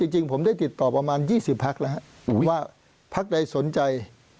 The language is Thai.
จริงผมได้ติดต่อประมาณ๒๐พักแล้วว่าพักใดสนใจ